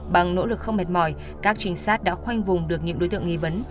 bằng nỗ lực không mệt mỏi các trinh sát đã khoanh vùng được những đối tượng nghi vấn